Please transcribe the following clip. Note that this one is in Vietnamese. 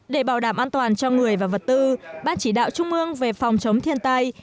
để bảo đảm an toàn cho người và vật tư ban chỉ đạo trung ương về phòng chống thiên tai